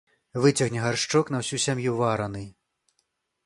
Выцягне гаршчок на ўсю сям'ю вараны.